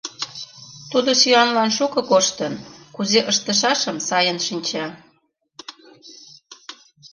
Тудо сӱанлан шуко коштын, кузе ыштышашым сайын шинча.